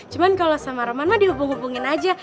cuma kalau sama roman mah dihubung hubungin aja